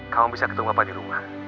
kamu bisa ketemu bapak di rumah